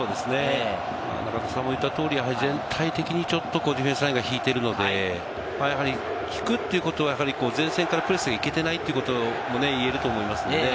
中田さんも言った通り、全体的にディフェンスラインが引いているので、引くということは全然からプレスに行けていないということも言えると思いますね。